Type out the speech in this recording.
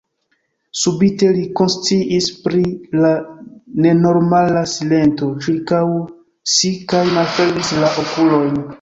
Subite li konsciis pri la nenormala silento ĉirkaŭ si kaj malfermis la okulojn.